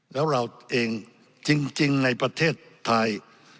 แล้วเราเองจริงในประเทศไทย